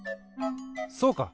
そうか！